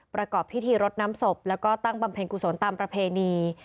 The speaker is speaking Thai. ประกอบพิธีรดน้ำศพแล้วก็ตั้งบำเพ็ญกุศลตามประเพณี